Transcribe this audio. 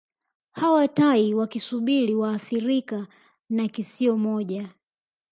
Hawa tai wakisubiri waathirika na kisio moja